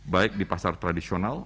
baik di pasar tradisional